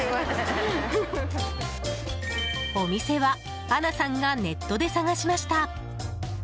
お店はアナさんがネットで探しました。